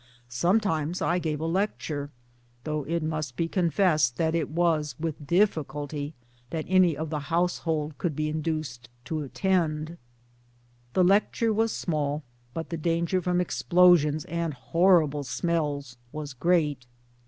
Sometimes I gave a lecture though it must be confessed that it was with difficulty that any of the household could be induced to attend ! The lecture was small, but the danger from explosions and horrible smells was great.